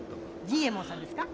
仁右衛門さんですか？